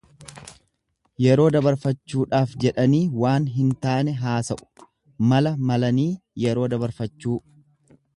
Yeroo dabarfachuudhaaf jedhanii waan hin taane haasa'u, mala malanii yeroo dabarfachuu.